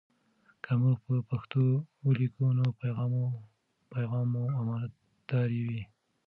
که موږ په پښتو ولیکو، نو پیغام مو امانتاري وي.